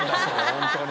ホントに。